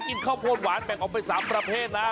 ข้าวโพดหวานแบ่งออกไป๓ประเภทนะ